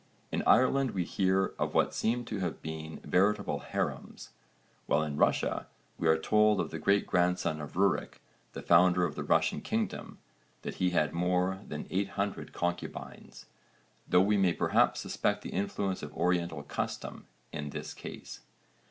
In Ireland we hear of what seem to have been veritable harems, while in Russia we are told of the great grandson of Rurik, the founder of the Russian kingdom, that he had more than 800 concubines, though we may perhaps suspect the influence of Oriental custom in this case.